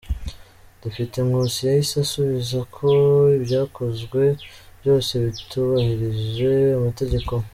Depite Nkusi yahise amusubiza ko ibyakozwe byose bitubahirije amategeko.